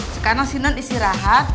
sekarang si non isi rahat